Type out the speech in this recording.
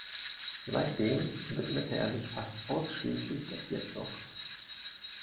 Seitdem widmete er sich fast ausschließlich der Tierzucht.